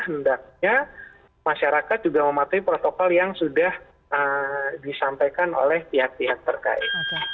hendaknya masyarakat juga mematuhi protokol yang sudah disampaikan oleh pihak pihak terkait